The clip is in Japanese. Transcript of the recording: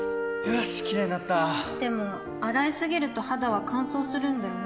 よしキレイになったでも、洗いすぎると肌は乾燥するんだよね